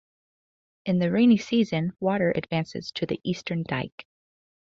In the rainy season, water advances to the eastern dike.